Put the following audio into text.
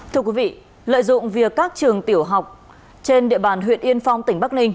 thưa quý vị lợi dụng việc các trường tiểu học trên địa bàn huyện yên phong tỉnh bắc ninh